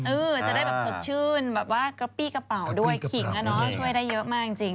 จะได้แบบสดชื่นแบบว่ากระปี้กระเป๋าด้วยขิงช่วยได้เยอะมากจริง